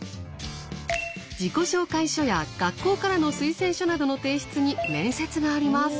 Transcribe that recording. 自己紹介書や学校からの推薦書などの提出に面接があります。